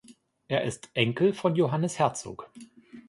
Er ist Enkel von Johannes Herzog.